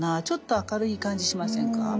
ちょっと明るい感じしませんか？